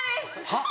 はっ？